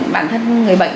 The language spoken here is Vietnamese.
bản thân người bệnh